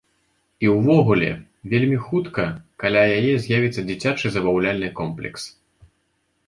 І увогуле, вельмі хутка каля яе з'явіцца дзіцячы забаўляльны комплекс.